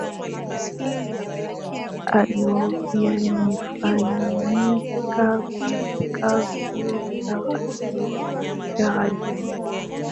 Hayo yalifanyika kupitia kituo Cha redio Cha redio one